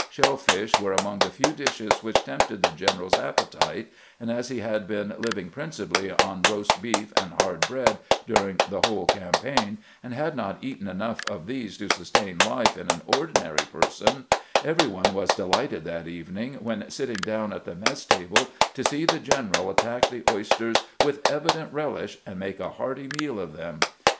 Shell fish were among the few dishes which tempted the general's ap petite, and as he had been living principally on roast beef and hard bread during the whole campaign, and had not eaten enough of these to sustain life in an or dinary person, every one was delighted that evening, when sitting down at the mess table, to see the general attack the oysters with evident relish, and make a hearty meal of them.